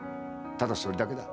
ただそれだけだ。